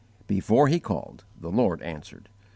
Before he called, the Lord answered.